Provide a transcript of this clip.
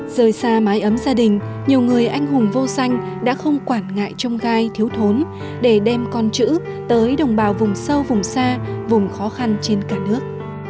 rời xa mái ấm gia đình nhiều người anh hùng vô xanh đã không quản ngại trong gai thiếu thốn để đem con chữ tới đồng bào vùng sâu vùng xa vùng khó khăn trên cả nước